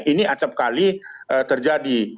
ini acapkali terjadi